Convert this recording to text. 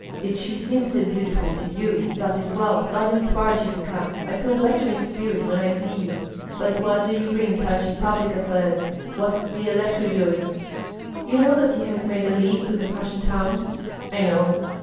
"Did she seem so beautiful to you? That is well. God inspired you to come; I feel better in spirit when I see you. But what do you bring touching public affairs? What is the elector doing?" "You know that he has made a league with the Prussian towns?" "I know."